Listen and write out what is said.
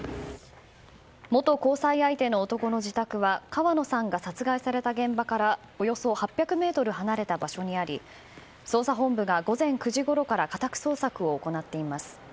元交際相手の男の自宅は川野さんが殺害された現場からおよそ８００ｍ離れた場所にあり捜査本部が午前９時ごろから家宅捜索を行っています。